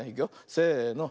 せの。